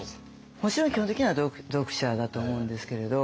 もちろん基本的には読者だと思うんですけれど